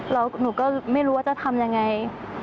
แล้วหนูก็ไม่รู้ว่าจะทำยังไง